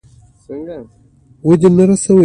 ازادي راډیو د اټومي انرژي موضوع تر پوښښ لاندې راوستې.